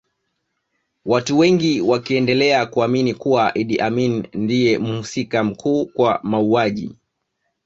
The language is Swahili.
Watu wengi wakiendelea kuamini kuwa Idi Amin ndiye mhusika mkuu kwa mauaji